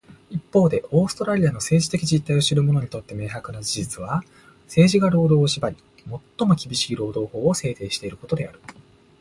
一方で、オーストラリアの政治的実態を知る者にとって明白な事実は、政治が労働を縛り、最も厳しい労働法を制定していることである。